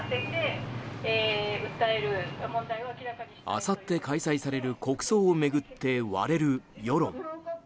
あさって開催される国葬を巡って割れる世論。